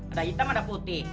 ada hitam ada putih